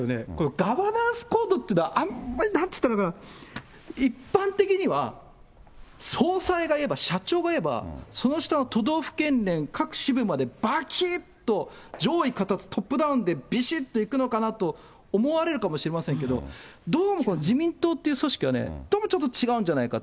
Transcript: ガバナンスコードっていうのは、あんま、なんつったらいいのかな、一般的には、総裁が言えば、社長が言えば、その下の都道府県連、各支部までばきっと上意下達、トップダウンでびしっといくのかなと思われるかもしれませんけれども、どうもこの、自民党という組織はね、どうもちょっと違うんじゃないかと。